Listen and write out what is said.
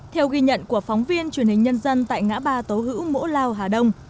theo ghi nhận của phóng viên truyền hình nhân dân tại ngã ba tố hữu lao hà đông